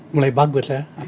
mulai bagus ya